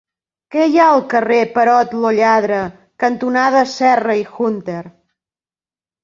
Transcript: Què hi ha al carrer Perot lo Lladre cantonada Serra i Hunter?